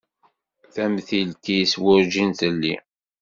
Tamtilt-is werǧin telli.